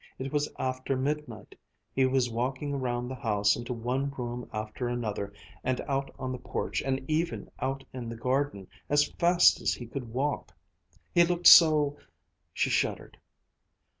It was after midnight. He was walking around the house into one room after another and out on the porch and even out in the garden, as fast as he could walk. He looked so " She shuddered.